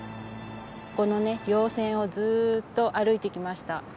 このね稜線をずっと歩いてきました。